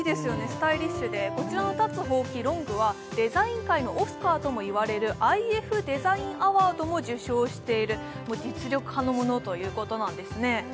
スタイリッシュでこちらの立つほうきロングはデザイン界のオスカーともいわれるｉＦＤＥＳＩＧＮＡＷＡＲＤを受賞している実力派のものということなんですね